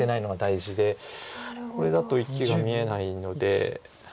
これだと生きが見えないので。